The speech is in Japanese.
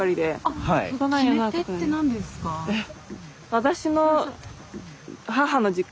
えっ！